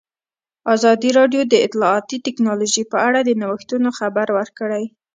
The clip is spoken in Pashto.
ازادي راډیو د اطلاعاتی تکنالوژي په اړه د نوښتونو خبر ورکړی.